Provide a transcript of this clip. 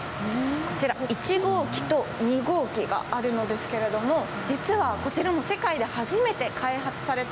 こちら１号機と２号機があるのですけれども実はこちらも世界で初めて開発されたものなんです。